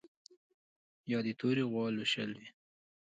یا د تورې غوا لوشل وي